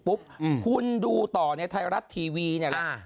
คุณดูต่อในไทยรัฐทีวีเนี่ยแหละ